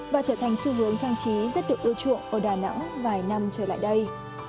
và trở thành xu hướng trang trí rất được ưa chuộng ở đà nẵng vài năm trở lại đây